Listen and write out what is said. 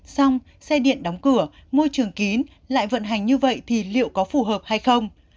xong xe điện đóng cửa môi trường kín lại vận hành như vậy thì liệu có phù hợp hay không